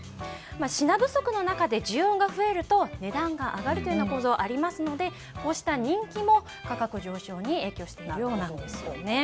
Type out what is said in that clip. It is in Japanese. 品不足の中で需要が増えると値段が上がるというような構造がありますのでこうした人気も価格上昇に影響しているようなんですね。